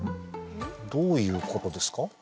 どういうことですか？